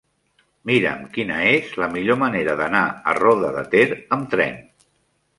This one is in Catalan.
Mira'm quina és la millor manera d'anar a Roda de Ter amb tren.